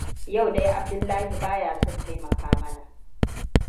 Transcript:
Yau dai Abdullahi ba ya son taimaka mana.